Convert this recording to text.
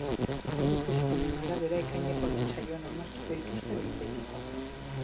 Aurreikuspenen arabera, ekaineko lehen saioan onartuko dituzte behin betiko.